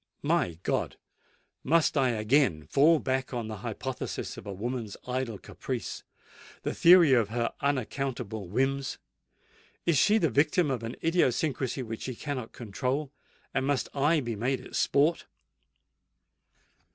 "My God! must I again fall back upon the hypothesis of a woman's idle caprice—the theory of her unaccountable whims? Is she the victim of an idiosyncracy which she cannot control? and must I be made its sport?"